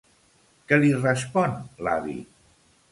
Què li respon l'avi?